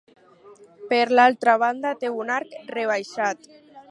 Per l'altra banda té un arc rebaixat.